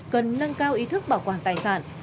cần nâng cao ý thức bảo quản tài sản